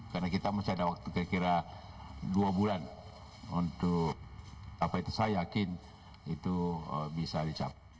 karena kita masih ada waktu kira kira dua bulan untuk apa itu saya yakin itu bisa dicapai